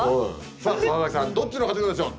さあ佐々木さんどっちの勝ちでしょう。